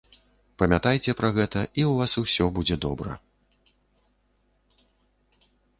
Памятайце пра гэта, і вас усё будзе добра!